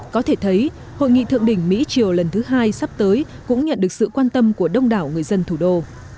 có thể thấy hội nghị thượng đỉnh mỹ triều lần thứ hai sắp tới cũng nhận được sự quan tâm của đông đảo người dân thủ đô